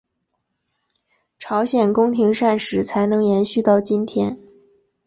朝鲜宫廷膳食才能延续到今天。